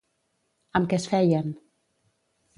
Amb què es feien?